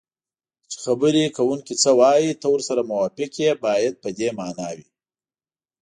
چې خبرې کوونکی څه وایي ته ورسره موافق یې باید په دې مانا وي